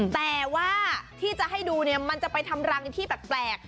แต่ว่าที่จะให้ดูเนี่ยมันจะไปทำรังในที่แปลก